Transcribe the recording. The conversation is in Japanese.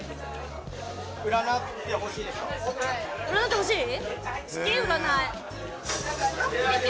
占ってほしい？